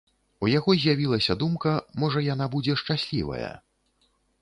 У яго з'явілася думка, можа яна будзе шчаслівая.